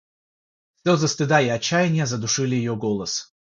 Слезы стыда и отчаяния задушили ее голос.